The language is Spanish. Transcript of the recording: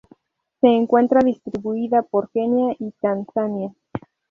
Se encuentra distribuida por Kenia y Tanzania.